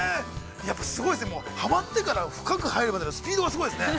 ◆やっぱ、すごいですね、はまってから深く入るまでのスピードがすごいですね。